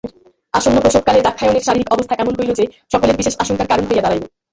আসন্নপ্রসবকালে দাক্ষায়ণীর শারীরিক অবস্থা এমন হইল যে, সকলের বিশেষ আশঙ্কার কারণ হইয়া দাঁড়াইল।